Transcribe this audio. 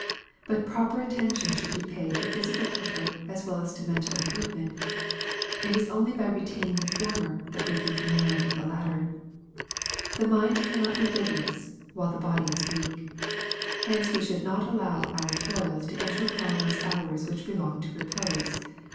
But proper attention should be paid to physical comfort as well as to mental improvement. It is only by retaining the former that we can command the latter. The mind cannot be vigorous while the body is weak. Hence we should not allow our toils to enter upon those hours which belong to repose.